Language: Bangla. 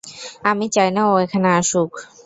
আমি চাই না ও এখানে আসুক।